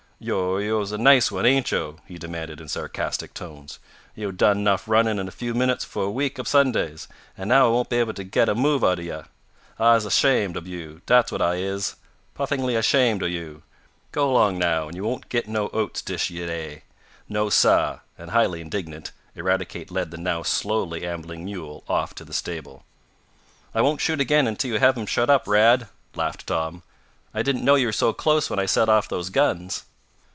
"Yo' yo're a nice one, ain't yo'?" he demanded in sarcastic tones. "Yo' done enough runnin' in a few minutes fo' a week ob Sundays, an' now I won't be able t' git a move out ob ye! I'se ashamed ob yo', dat's what I is! Puffickly ashamed ob yo'. Go 'long, now, an' yo' won't git no oats dish yeah day! No sah!" and, highly indignant, Eradicate led the now slowly ambling mule off to the stable. "I won't shoot again until you have him shut up, Rad!" laughed Tom. "I didn't know you were so close when I set off those guns."